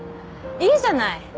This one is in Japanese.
いいじゃない。